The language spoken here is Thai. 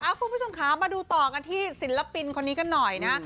คุณผู้ชมคะมาดูต่อกันที่ศิลปินคนนี้กันหน่อยนะ